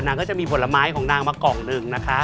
ก็จะมีผลไม้ของนางมากล่องหนึ่งนะคะ